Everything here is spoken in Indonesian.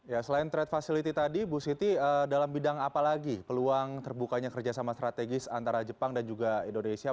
ya selain trade facility tadi bu siti dalam bidang apa lagi peluang terbukanya kerjasama strategis antara jepang dan juga indonesia